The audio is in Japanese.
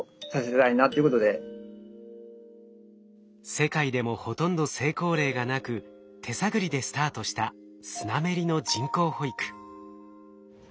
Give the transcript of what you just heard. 世界でもほとんど成功例がなく手探りでスタートしたスナメリの人工哺育。